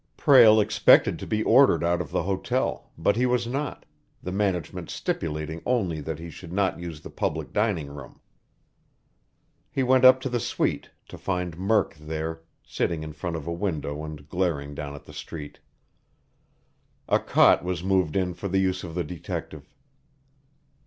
Prale expected to be ordered out of the hotel, but he was not, the management stipulating only that he should not use the public dining room. He went up to the suite, to find Murk there, sitting in front of a window and glaring down at the street. A cot was moved in for the use of the detective.